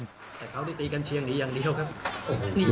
แต่เขาได้ดีกันเชียงหนีอย่างเดียวครับ